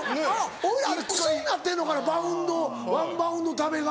俺らあれ癖になってんのかなワンバウンド食べが。